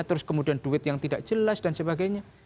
terus kemudian duit yang tidak jelas dan sebagainya